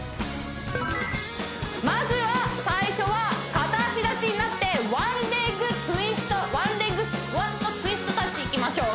まずは最初は片脚立ちになってワンレッグツイストワンレッグスクワットツイストタッチいきましょう